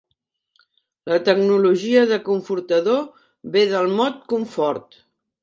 La terminologia de confortador ve del mot confort.